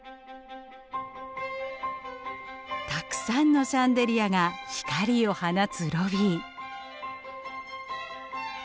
たくさんのシャンデリアが光を放つロビー。